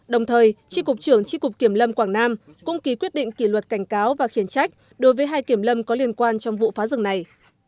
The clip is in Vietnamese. đồng thời tri cục trưởng tri cục kiểm lâm quảng nam cũng ký quyết định kỷ luật cảnh cáo và khiển trách đối với hai kiểm lâm có liên quan trong vụ phá rừng này